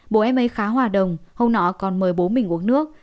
bố em ấy khá hòa đồng hôm nọ còn mời bố mình uống nước